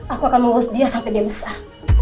aku akan mengurus dia sampai dia besar